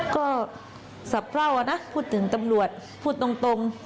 ก็สะเพรานะพูดถึงตำรวจพูดตรง